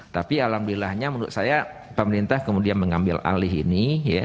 tapi alhamdulillahnya menurut saya pemerintah kemudian mengambil alih ini